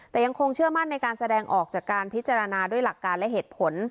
แต่ยังคงเชื่อมั่นในการแสดงออกจากการพิจารณาด้วยหลักการและเหตุผล